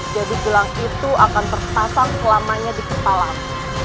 jadi gelang itu akan tersasang selamanya di kepalamu